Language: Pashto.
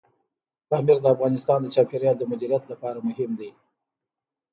پامیر د افغانستان د چاپیریال د مدیریت لپاره مهم دی.